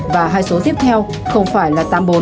và hai số tiếp theo không phải là tám mươi bốn